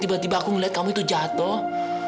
tiba tiba aku ngeliat kamu tuh jatoh